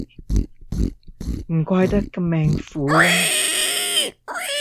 唔怪得咁命苦啦